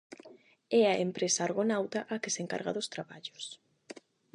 É a empresa argonauta a que se encarga dos traballos.